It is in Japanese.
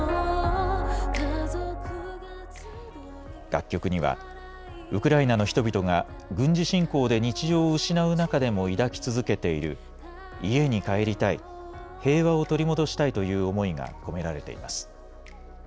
楽曲にはウクライナの人々が軍事侵攻で日常を失う中でも抱き続けている家に帰りたい平和を取り戻したいという思いが込められています。